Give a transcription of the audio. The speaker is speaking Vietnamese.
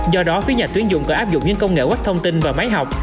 do đó phía nhà tuyến dụng có áp dụng những công nghệ web thông tin và máy học